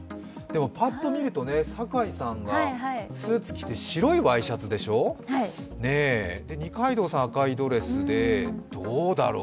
パッと見ると堺さんがスーツ着て白いワイシャツでしょ、二階堂さんは明るいドレスでどうだろう。